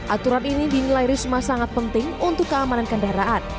aturan ini dinilai risma sangat penting untuk keamanan kendaraan